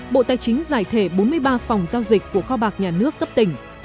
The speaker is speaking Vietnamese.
bộ tài chính giải thể bốn mươi ba phòng giao dịch của kho bạc nhà nước cấp tỉnh